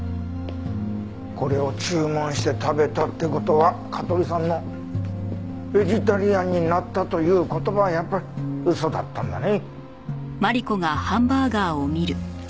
これを注文して食べたって事は香取さんの「ベジタリアンになった」という言葉はやっぱり嘘だったんだね。